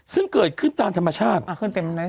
ซึ่งเกิดขึ้นตามธรรมชาติ